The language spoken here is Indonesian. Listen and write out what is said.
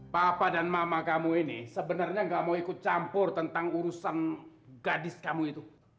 papa dan mama kamu ini sebenarnya gak mau ikut campur tentang urusan gadis kamu itu